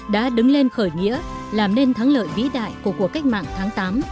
đã đứng lên khởi nghĩa làm nên thắng lợi vĩ đại của cuộc cách mạng tháng tám